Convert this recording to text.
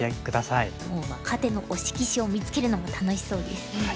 若手の推し棋士を見つけるのも楽しそうですね。